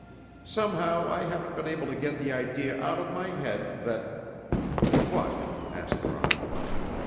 "Somehow I haven't been able to get the idea out of my head that " "What?" asked Rod.